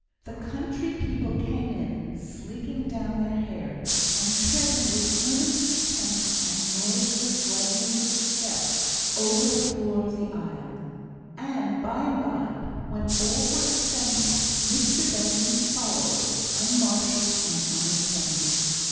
The country people came in sleeking down their hair, and treading with earnest attempts at noiseless lightness of step over the floor of the aisle; and by and by, when all were assembled, Mr Benson followed, unmarshalled and unattended.